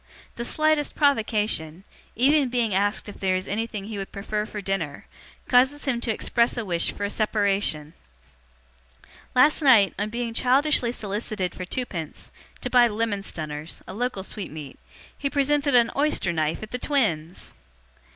The slightest provocation, even being asked if there is anything he would prefer for dinner, causes him to express a wish for a separation. Last night, on being childishly solicited for twopence, to buy 'lemon stunners' a local sweetmeat he presented an oyster knife at the twins!